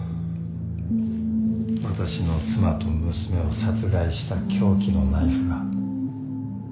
私の妻と娘を殺害した凶器のナイフが。